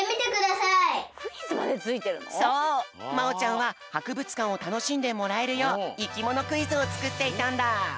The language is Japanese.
まおちゃんははくぶつかんをたのしんでもらえるよういきものクイズをつくっていたんだ。